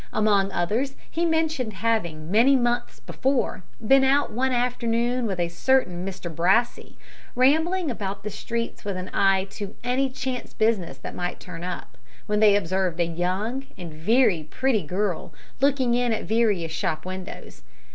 Among others, he mentioned having, many months before, been out one afternoon with a certain Mr Brassey, rambling about the streets with an eye to any chance business that might turn up, when they observed a young and very pretty girl looking in at various shop windows.